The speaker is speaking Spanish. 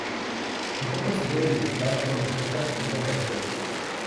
Tampoco se debe mezclar con otras bebidas alcohólicas.